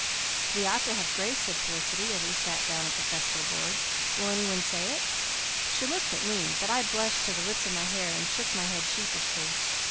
"We ought to have grace," said Felicity, as we sat down at the festal board. "Will any one say it?" She looked at me, but I blushed to the roots of my hair and shook my head sheepishly.